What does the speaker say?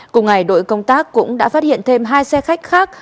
cùng ngày đội công tác cũng đã phát hiện thêm hai xe khách khác